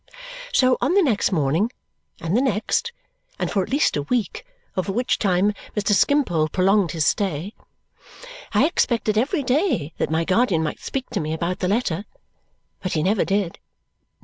So, on the next morning, and the next, and for at least a week, over which time Mr. Skimpole prolonged his stay. I expected, every day, that my guardian might speak to me about the letter, but he never did.